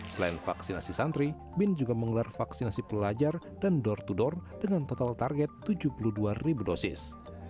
selain vaksinasi santri bin juga menggelar vaksinasi pelajar dan door to door dengan total target tujuh puluh dua ribu dosis